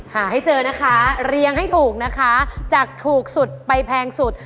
หาให้เจอนะคะเรียงให้ถูกนะคะจากถูกสุดไปแพงสุด